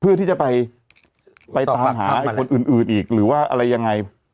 เพื่อที่จะไปตามหาคนอื่นอีกหรือว่าอะไรยังไง